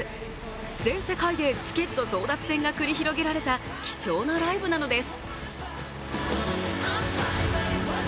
全世界でチケット争奪戦が繰り広げられた貴重なライブなのです。